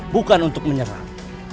bukan untuk menyerang